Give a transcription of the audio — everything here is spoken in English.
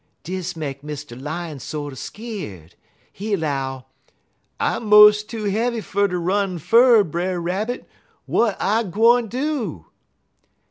"Dis make Mr. Lion sorter skeer'd. He 'low: "'I mos' too heavy fer ter run fur, Brer Rabbit. W'at I gwine do?'